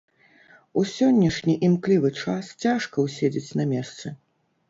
У сённяшні імклівы час цяжка ўседзець на месцы.